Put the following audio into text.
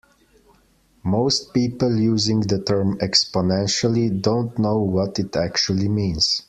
Most people using the term "exponentially" don't know what it actually means.